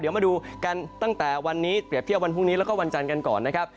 เดี๋ยวมาดูกันตั้งแต่วันนี้เปรียบเทียบวันพรุ่งนี้แล้วก็วันจันทร์กันก่อนนะครับ